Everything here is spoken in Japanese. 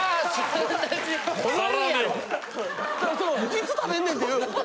いつ食べんねんっていう。